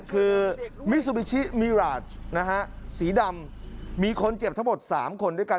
คือมิซูบิชิมิราชนะฮะสีดำมีคนเจ็บทั้งหมด๓คนด้วยกัน